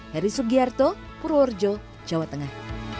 heri sugiarto purworejo jawa tengah